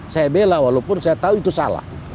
saya bela walaupun saya tahu itu salah